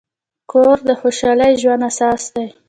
کور د خوشحال ژوند اساس دی.